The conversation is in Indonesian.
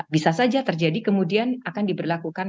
bisa saja terjadi kemudian akan diberlakukan